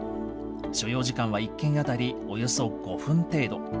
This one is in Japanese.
所要時間は１件当たりおよそ５分程度。